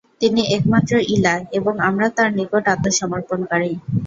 তিনি একমাত্র ইলাহ্ এবং আমরা তাঁর নিকট আত্মসমর্পণকারী।